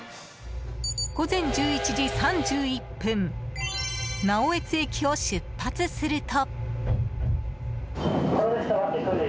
午前１１時３１分直江津駅を出発すると。